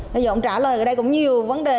bây giờ ông trả lời ở đây cũng nhiều vấn đề